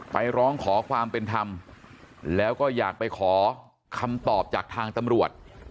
ร้องขอความเป็นธรรมแล้วก็อยากไปขอคำตอบจากทางตำรวจ